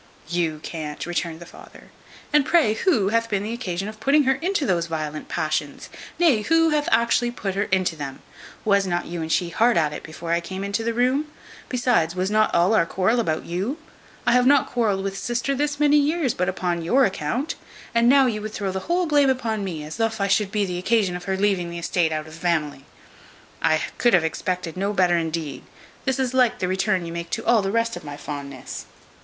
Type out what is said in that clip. "You can't!" returned the father: "and pray who hath been the occasion of putting her into those violent passions? Nay, who hath actually put her into them? Was not you and she hard at it before I came into the room? Besides, was not all our quarrel about you? I have not quarrelled with sister this many years but upon your account; and now you would throw the whole blame upon me, as thof I should be the occasion of her leaving the esteate out o' the vamily. I could have expected no better indeed; this is like the return you make to all the rest of my fondness."